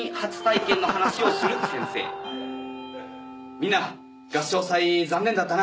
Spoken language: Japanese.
「みんな合唱祭残念だったな」